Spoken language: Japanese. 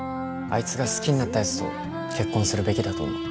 あいつが好きになったやつと結婚するべきだと思う。